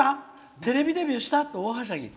テレビデビューした？と大はしゃぎ。